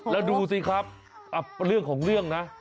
แล้วดูสิครับเรื่องของเรื่องนะ